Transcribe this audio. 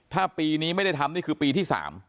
ถ้าปีนี้ไม่ได้ทำนี่คือปีที่๓